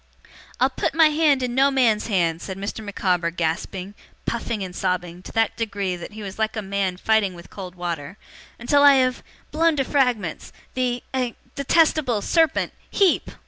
'I'll put my hand in no man's hand,' said Mr. Micawber, gasping, puffing, and sobbing, to that degree that he was like a man fighting with cold water, 'until I have blown to fragments the a detestable serpent HEEP!